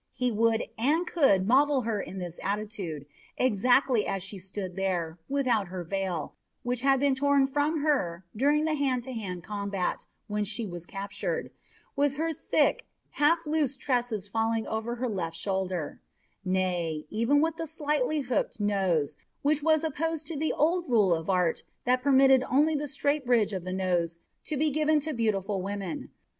He would and could model her in this attitude, exactly as she stood there, without her veil, which had been torn from her during the hand to hand conflict when she was captured, with her thick, half loosened tresses falling over her left shoulder; nav, even with the slightly hooked nose, which was opposed to the old rule of art that permitted only the straight bridge of the nose to be given to beautiful women.